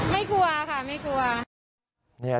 ไม่กลัวค่ะไม่กลัว